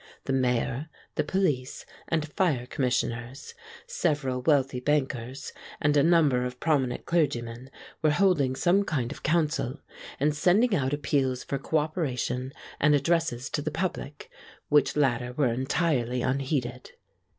The Mayor, the Police and Fire Commissioners, several wealthy bankers, and a number of prominent clergymen were holding some kind of council and sending out appeals for co operation and addresses to the public, which latter were entirely unheeded.